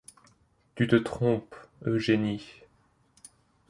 Tu te trompes, Eugénie.